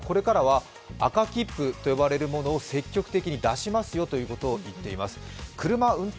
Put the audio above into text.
ただこれからは赤切符と呼ばれるものを積極的に出しますよと言っています。